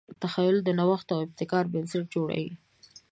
تخیل د نوښت او ابتکار بنسټ جوړوي.